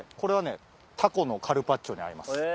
れはねタコのカルパッチョに合います。